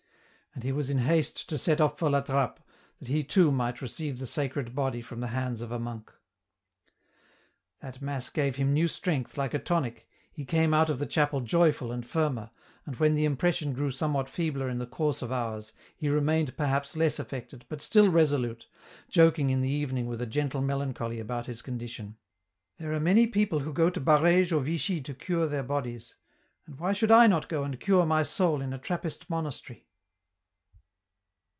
And he was in haste to set off for La Trappe, that he too might receive the Sacred Body from the hands of a monk. That mass gave him new strength like a tonic, he came out of the chapel joyful and firmer, and when the impression grew somewhat feebler in the course of hours, he remained perhaps less affected, but still resolute, joking in the even ing with a gentle melancholy about his condition :" There are many people who go to Barbges or Vichy to cure their bodies, and why should not I go and cure my soul in a Trappist monastery